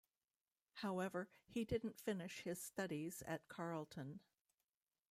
However, he didn't finish his studies at Carleton.